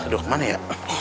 duduk kemana ya